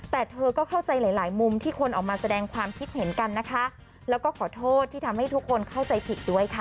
แต่เธอก็เข้าใจหลายหลายมุมที่คนออกมาแสดงความคิดเห็นกันนะคะแล้วก็ขอโทษที่ทำให้ทุกคนเข้าใจผิดด้วยค่ะ